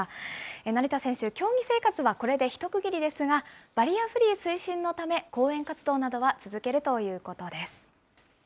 成田選手、競技生活はこれで一区切りですが、バリアフリー推進のため、講演活動などは続けるということです。